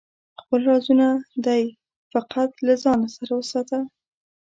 خپل رازونه دی فقط له ځانه سره وساته